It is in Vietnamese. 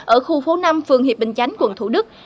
ở khu phố năm phường hiệp bình chánh quận thủ đức